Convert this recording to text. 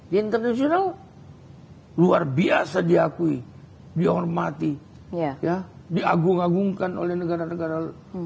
di internasional luar biasa diakui dihormati diagung agungkan oleh negara negara